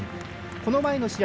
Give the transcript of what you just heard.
この前の試合